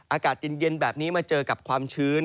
อากาศเย็นแบบนี้มาเจอกับความชื้น